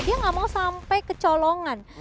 dia gak mau sampai ke colongan